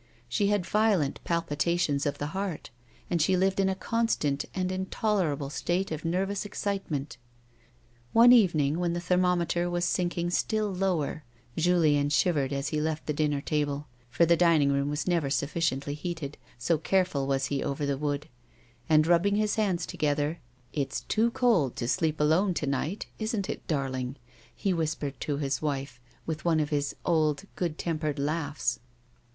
She had violent palpitations of the heart, and she lived in a constant and intolerable state of nervous excitement. One evening, when the thermometer was sinking still lower, Julien shivered as he left the dinner table (for the dining room was never sufficiently heated, so careful was he over the wood), and rubbing his hands together, 104 A WOMAN'S LIFE. •' It's too cold to sleep alone to night, isn't it, darling 1 " he whispered to his wife, with one of his old good tempered laughs.